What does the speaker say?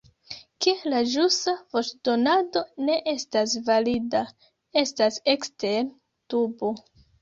Ke la ĵusa voĉdonado ne estas valida, estas ekster dubo.